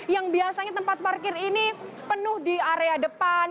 yang biasanya tempat parkir ini penuh di area depan